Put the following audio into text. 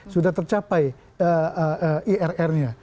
sudah tercapai irr nya